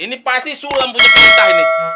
ini pasti sulam punya perintah ini